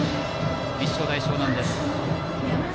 立正大淞南です。